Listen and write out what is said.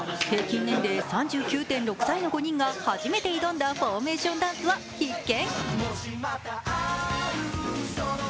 平均年齢３９．６歳の５人が初めて挑んだフォーメーションダンスは必見。